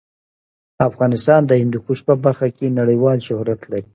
افغانستان د هندوکش په برخه کې نړیوال شهرت لري.